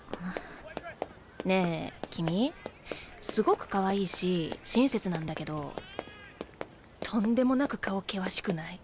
ねえ君すごくかわいいし親切なんだけどとんでもなく顔険しくない？